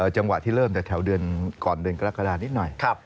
จังหวะที่เริ่มแต่กว่าเดือนก่อนปีก็ระกระดานิดหน่อย